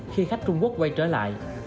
khi khách trung quốc quay trở lại